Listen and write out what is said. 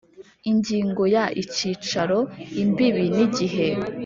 Ingingo ya icyicaro imbibi n igihe